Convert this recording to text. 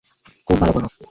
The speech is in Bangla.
খুব ভালো খবর।